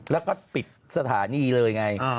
แล้วก็ปิดสถานีเลยไง